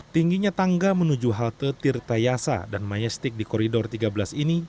tingginya tangga menuju halte tirta yasa dan mayastik di koridor tiga belas ini